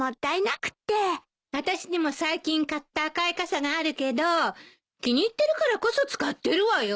私にも最近買った赤い傘があるけど気に入ってるからこそ使ってるわよ。